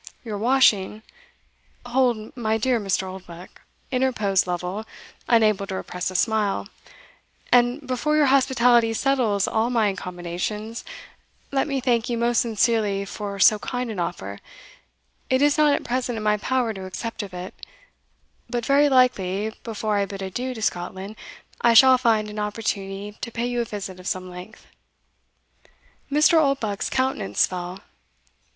Your washing" "Hold, my dear Mr. Oldbuck," interposed Lovel, unable to repress a smile; "and before your hospitality settles all my accommodations, let me thank you most sincerely for so kind an offer it is not at present in my power to accept of it; but very likely, before I bid adieu to Scotland, I shall find an opportunity to pay you a visit of some length." Mr. Oldbuck's countenance fell.